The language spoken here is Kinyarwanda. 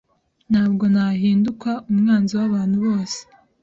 Ntabwo nahinduka umwanzi wabantu bose